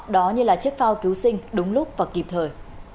đó như là chiếc phao cứu sinh đúng lúc và kịp thời